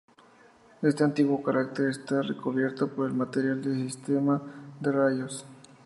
Este antiguo cráter está recubierto por el material del sistema de rayos.